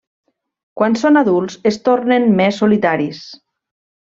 Quan són adults es tornen més solitaris.